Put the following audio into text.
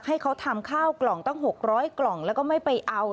ให้เขาทำข้าวกล่องตั้ง๖๐๐กล่องแล้วก็ไม่ไปเอา